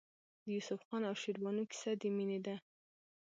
د یوسف خان او شیربانو کیسه د مینې ده.